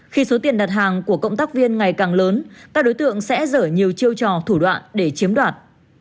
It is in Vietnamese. khi số tiền đặt hàng của cộng tác viên ngày càng lớn các đối tượng sẽ dở nhiều chiêu trò thủ đoạn để chiếm đoạt